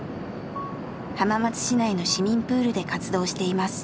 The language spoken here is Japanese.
浜松市内の市民プールで活動しています。